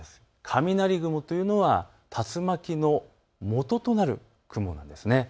雷雲というのは竜巻のもととなる雲なんです。